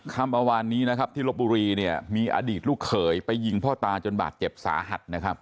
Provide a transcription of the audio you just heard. เมื่อวานนี้นะครับที่ลบบุรีเนี่ยมีอดีตลูกเขยไปยิงพ่อตาจนบาดเจ็บสาหัสนะครับ